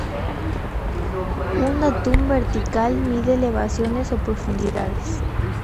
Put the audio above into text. Un datum vertical miden elevaciones o profundidades.